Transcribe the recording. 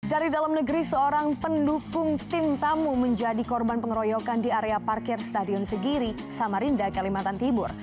dari dalam negeri seorang pendukung tim tamu menjadi korban pengeroyokan di area parkir stadion segiri samarinda kalimantan timur